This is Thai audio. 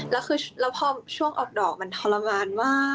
แล้วพอช่วงออกดอกมันถรรมมาก